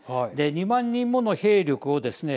２万人もの兵力をですね